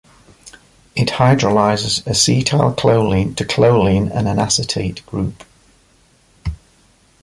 It hydrolyzes acetylcholine to choline and an acetate group.